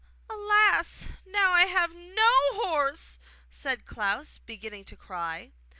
'Alas! Now I have no horse!' said Little Klaus, beginning to cry.